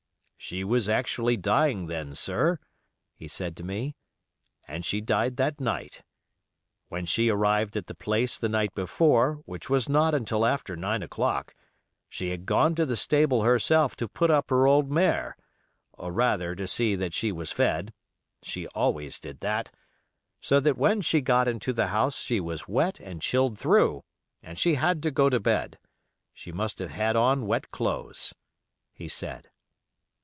"She was actually dying then, sir," he said to me, "and she died that night. When she arrived at the place the night before, which was not until after nine o'clock, she had gone to the stable herself to put up her old mare, or rather to see that she was fed—she always did that—so when she got into the house she was wet and chilled through, and she had to go to bed. She must have had on wet clothes," he said.